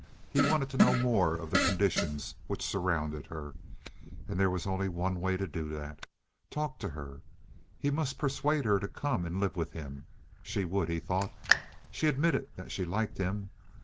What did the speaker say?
He wanted to know more of the conditions which surrounded her, and there was only one way to do that—talk to her. He must persuade her to come and live with him. She would, he thought. She admitted that she liked him.